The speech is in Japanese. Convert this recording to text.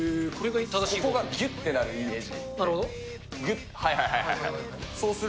ここがぎゅってなるイメージ。